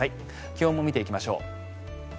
気温も見ていきましょう。